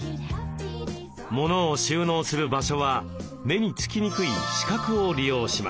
モノを収納する場所は目につきにくい死角を利用しました。